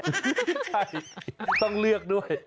ใช่ต้องเลือกด้วย